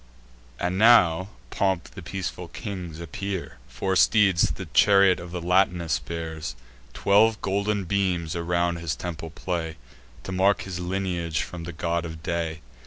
And now in pomp the peaceful kings appear: Four steeds the chariot of Latinus bear; Twelve golden beams around his temples play, To mark his lineage from the God of Day.